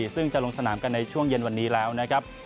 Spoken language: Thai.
ซึ่งจะลงสนามกันในช่วงเย็นวันนี้แล้วนะครับ